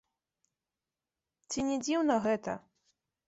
Ці не дзіўна гэта?